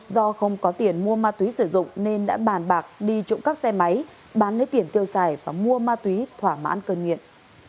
do không có tiền mua ma túy sử dụng nên đã bàn bạc đi trộm các xe máy bán lấy tiền tiêu xài và mua ma túy thỏa mãn cân nghiện